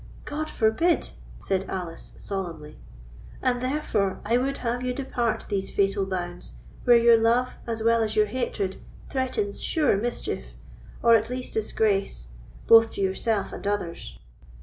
"God forbid!" said Alice, solemnly; "and therefore I would have you depart these fatal bounds, where your love, as well as your hatred, threatens sure mischief, or at least disgrace, both to yourself and others.